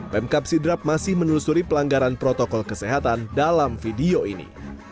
pemkap sidrap masih menelusuri pelanggaran protokol kesehatan dalam video ini